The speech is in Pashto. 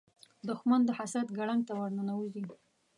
دښمن د حسد ګړنګ ته ورننوځي